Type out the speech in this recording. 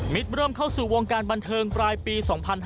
เริ่มเข้าสู่วงการบันเทิงปลายปี๒๕๕๙